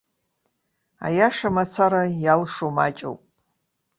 Аиаша мацара иалшо маҷуп.